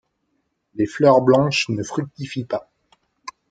Les fleurs blanches ne fructifient pas.